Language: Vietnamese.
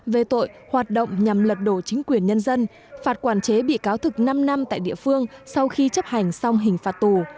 về tội hoạt động nhằm lật đổ chính quyền nhân dân phạt quản chế bị cáo thực năm năm tại địa phương sau khi chấp hành xong hình phạt tù